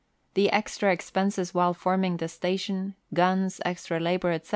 The extra expenses while form ing the station, guns, extra labour, etc.